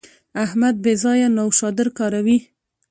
احمد بې ځایه نوشادر کاروي.